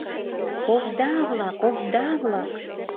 Овда-влак, овда-влак!